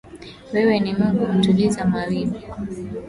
Wewe ni Mungu mtuliza mawimbi